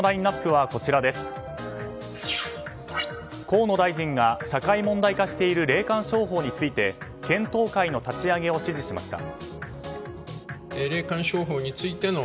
河野大臣が、社会問題化している霊感商法について検討会の立ち上げを指示しました。